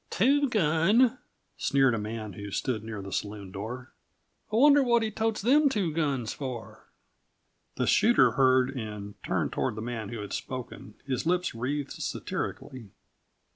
"Two gun," sneered a man who stood near the saloon door. "I wonder what he totes them two guns for?" The shooter heard and turned toward the man who had spoken, his lips wreathed satirically.